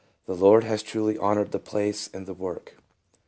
The Lord has truly honored the place and the work.